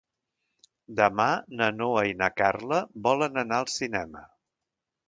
Demà na Noa i na Carla volen anar al cinema.